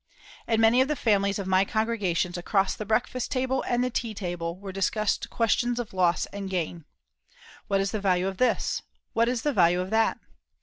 In many of the families of my congregations across the breakfast table and the tea table were discussed questions of loss and gain. "What is the value of this? What is the value of that?"